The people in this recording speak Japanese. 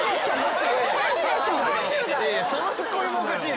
そのツッコミもおかしいでしょ。